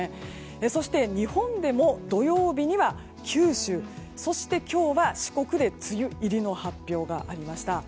そして日本でも土曜日には九州そして今日は四国で梅雨入りの発表がありました。